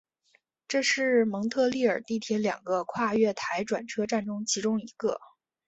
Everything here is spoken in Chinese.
这是蒙特利尔地铁两个跨月台转车站中其中一个。